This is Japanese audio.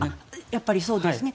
やっぱりそうですね。